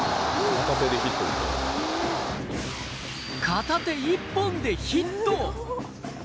片手１本でヒット。